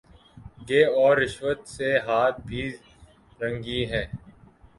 گے اور رشوت سے ہاتھ بھی رنگیں گے۔